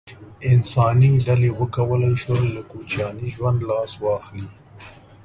انساني ډلې وکولای شول له کوچیاني ژوند لاس واخلي.